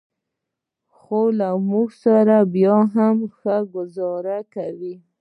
خو له موږ سره بیا هم ښه ګوزاره کوي.